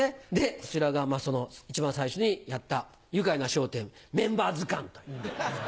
こちらがその一番最初にやった「ゆかいな笑点メンバー図鑑」という。